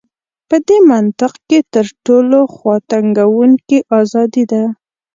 په دې منطق کې تر ټولو خواتنګوونکې ازادي ده.